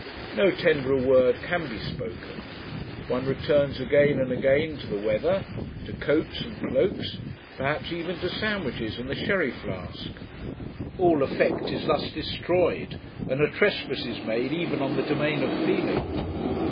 No tenderer word can be spoken. One returns again and again to the weather, to coats and cloaks, perhaps even to sandwiches and the sherry flask. All effect is thus destroyed, and a trespass is made even on the domain of feeling.